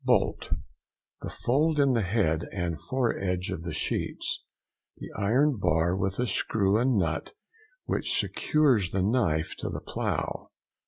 BOLT.—The fold in the head and foredge of the sheets. The iron bar with a screw and nut which secures the knife to the plough.